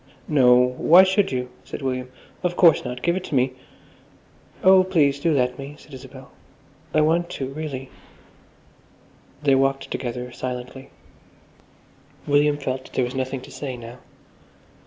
"No, why should you?" said William. "Of course, not. Give it to me." "Oh, please, do let me," said Isabel. "I want to, really." They walked together silently. William felt there was nothing to say now.